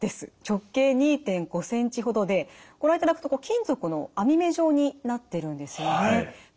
直径２．５センチほどでご覧いただくと金属の網目状になってるんですよね。